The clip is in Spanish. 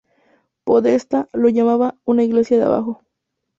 Podestá lo llamaba "una Iglesia de abajo".